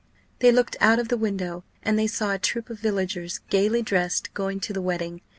They looked out of the window, and they saw a troop of villagers, gaily dressed, going to the wedding.